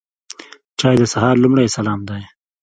چای د سهار لومړی سلام دی.